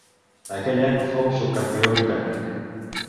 Aquell any fou subcampió britànic.